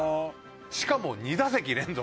しかも２打席連続。